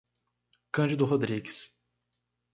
Cândido Rodrigues